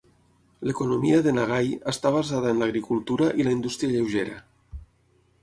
L'economia de Nagai està basada en l'agricultura i la indústria lleugera.